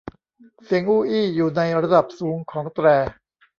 เสียงอู้อี้อยู่ในระดับสูงของแตร